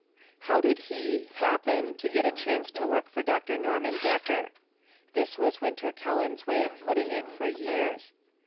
HOW did he "happen" to get a chance to work for Doctor Norman Decker ? This was Winter Kelland's way of putting it, for years.